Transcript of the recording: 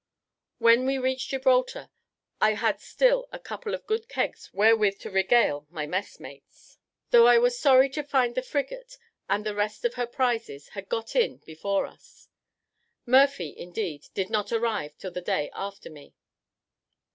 When we reached Gibraltar, I had still a couple of good kegs wherewith to regale my messmates; though I was sorry to find the frigate and the rest of her prizes had got in before us. Murphy, indeed, did not arrive till the day after me.